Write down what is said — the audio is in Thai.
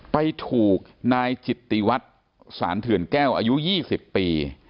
ไปถูกนายจิตติวัตรสารเถื่อนแก้วอายุ๒๐ปี